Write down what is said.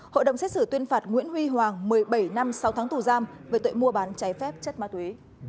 hội đồng xét xử tuyên phạt nguyễn huy hoàng một mươi bảy năm sáu tháng tù giam về tội mua bán trái phép chất ma túy